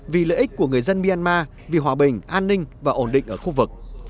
vì lợi ích của người dân myanmar vì hòa bình an ninh và ổn định ở khu vực